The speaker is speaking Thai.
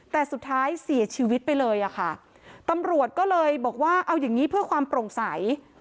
แต่สุดท้ายเสียชีวิตไปเลยอะค่ะตำรวจก็เลยบอกว่าเอาอย่างงี้เพื่อความโปร่งใส